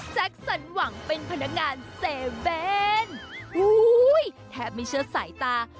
แจ็คสันหวังเป็นพนักงานเซเวนอู้ยแทบไม่เชื่อสายตา